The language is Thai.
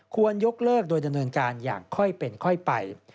ยกเลิกโดยดำเนินการอย่างค่อยเป็นค่อยไป